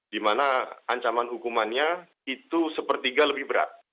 dimana ancaman hukumannya itu sepertiga lebih berat